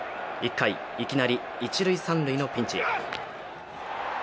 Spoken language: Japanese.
１回、いきなり一塁・三塁のピンチ。